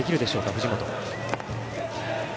藤本。